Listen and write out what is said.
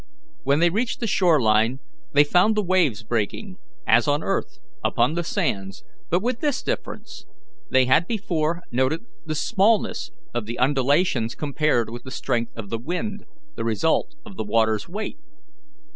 When they reached the shore line they found the waves breaking, as on earth, upon the sands, but with this difference: they had before noted the smallness of the undulations compared with the strength of the wind, the result of the water's weight.